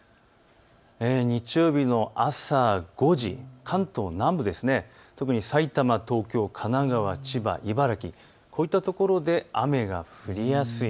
日曜日の朝５時、関東南部、特に埼玉、東京、神奈川、千葉、茨城こういったところで雨が降りやすい。